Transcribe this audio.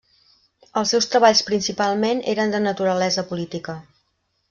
Els seus treballs principalment eren de naturalesa política.